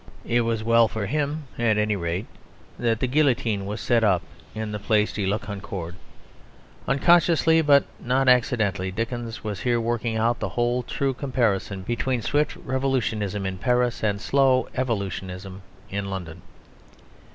It was well for him, at any rate, that the guillotine was set up in the Place de la Concorde. Unconsciously, but not accidentally, Dickens was here working out the whole true comparison between swift revolutionism in Paris and slow evolutionism in London.